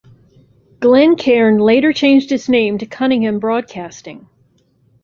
Glencairn later changed its name to Cunningham Broadcasting.